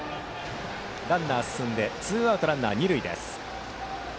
ランナー進んでツーアウトランナー、二塁です。